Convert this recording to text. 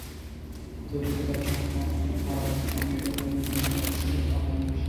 কিন্তু অভিজ্ঞতার ভাড়ারটা সমৃদ্ধ বলে হিগুয়েইনের কাছেই প্রত্যাশা ছিল অনেক বেশি।